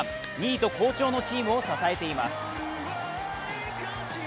２位と好調のチームを支えています